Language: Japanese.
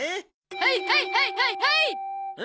はいはいはいはいはいっ！